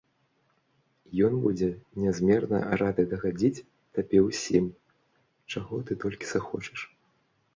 Ён будзе нязмерна рады дагадзіць табе ўсім, чаго ты толькі захочаш.